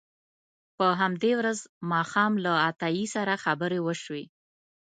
په همدې ورځ ماښام له عطایي سره خبرې وشوې.